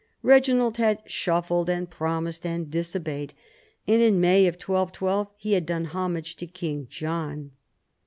Eeginald had shuffled and promised and disobeyed, and in May 1212 he had done homage to King John.